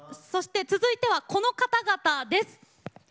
そして続いてはこの方々です。